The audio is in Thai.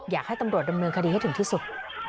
อยากให้ตำรวจดำเนินคดีให้ถึงที่สุด